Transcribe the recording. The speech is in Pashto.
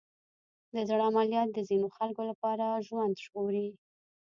د زړه عملیات د ځینو خلکو لپاره ژوند ژغوري.